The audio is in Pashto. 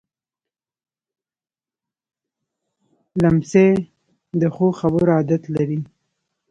لمسی د ښو خبرو عادت لري.